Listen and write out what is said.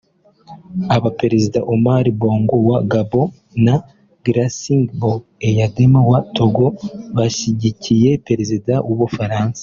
Abaperezida Omar Bongo wa Gabon na Gnassingbé Eyadéma wa Togo bashyigikiye Perezida w’u Bufaransa